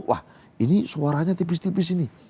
wah ini suaranya tipis tipis ini